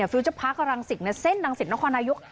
ฟิวเจ้าพระกรรังศิกร์ในเส้นรังศิลป์นครอายุ